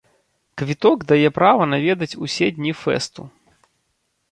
Квіток дае права наведаць усе дні фэсту.